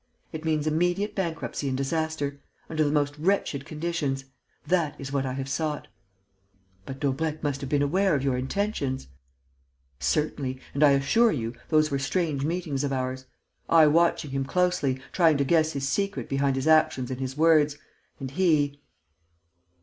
It means immediate bankruptcy and disaster ... under the most wretched conditions. That is what I have sought." "But Daubrecq must have been aware of your intentions?" "Certainly. And, I assure you, those were strange meetings of ours: I watching him closely, trying to guess his secret behind his actions and his words, and he